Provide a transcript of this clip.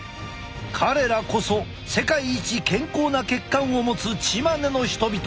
彼らこそ世界一健康な血管を持つチマネの人々。